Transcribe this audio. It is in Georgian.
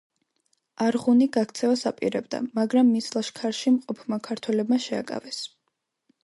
არღუნი გაქცევას აპირებდა, მაგრამ მის ლაშქარში მყოფმა ქართველებმა შეაკავეს.